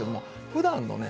ふだんのね